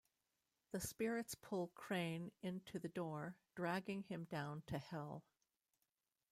The spirits pull Crain into the door, dragging him down to Hell.